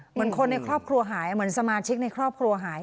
เหมือนคนในครอบครัวหายเหมือนสมาชิกในครอบครัวหาย